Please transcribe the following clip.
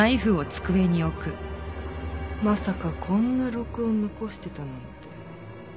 まさかこんな録音残してたなんて。